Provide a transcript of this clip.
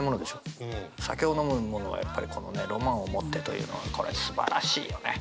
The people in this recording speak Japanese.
酒を飲む者はやっぱりこのねロマンを持ってというのはこれすばらしいよね。